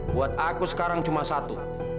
buat aku sekarang cuma satu